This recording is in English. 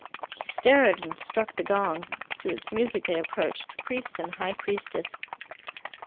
He stared, and struck the gong. To its music they approached, priest and high priestess.